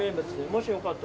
もしよかったら。